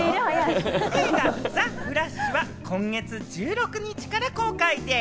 映画『ザ・フラッシュ』は今月１６日から公開です。